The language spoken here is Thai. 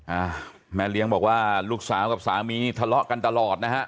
อ่าแม่เลี้ยงบอกว่าลูกสาวกับสามีทะเลาะกันตลอดนะฮะ